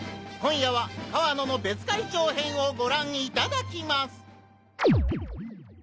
今夜は河野の「別海町編」をご覧いただきます！